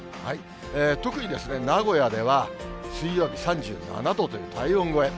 特に名古屋では、水曜日３７度という体温超え。